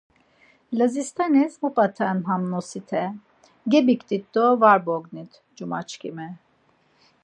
Lazist̆anis mu p̌aten ham nosite? Gebiktit do var bognit, cuma çkimi.